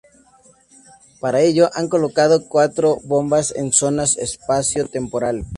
Para ello, han colocado cuatro bombas en zonas espacio-temporales.